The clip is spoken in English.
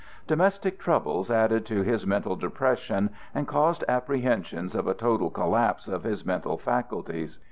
Domestic troubles added to his mental depression, and caused apprehensions of a total collapse of his mental faculties.